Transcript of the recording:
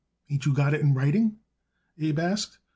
"Ain't you got it a writing?" Abe asked.